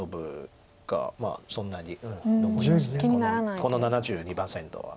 この７２％は。